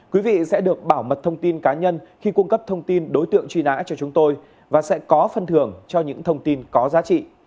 quý vị sẽ được bảo mật thông tin cá nhân khi cung cấp thông tin đối tượng truy nã cho chúng tôi và sẽ có phân thưởng cho những thông tin có giá trị